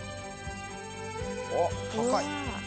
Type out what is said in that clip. あっ高い。